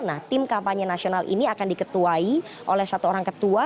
nah tim kampanye nasional ini akan diketuai oleh satu orang ketua